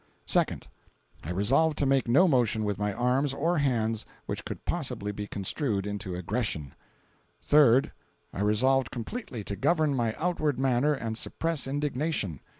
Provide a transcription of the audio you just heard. Second.—I resolved to make no motion with my arms or hands which could possibly be construed into aggression. Third.—I resolved completely to govern my outward manner and suppress indignation.